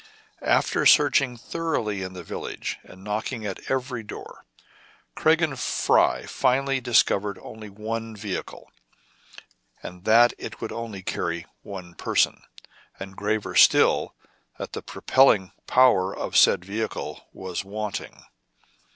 After searching thoroughly in the village, and knocking at every door, Craig and Fry finally dis covered only one vehicle, and that it would only carry one person ; and, graver still, that the pro pelling power of said vehicle was wanting.